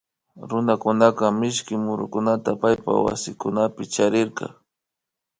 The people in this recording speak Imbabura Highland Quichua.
Runakunaka mishki murukunata paykunapak waspi charirka